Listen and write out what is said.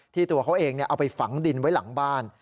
ตัวเขาเองเอาไปฝังดินไว้หลังบ้าน